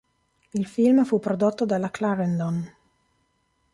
Il film fu prodotto dalla Clarendon.